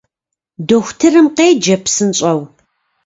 Дохутырым къеджэ псынщӏэу!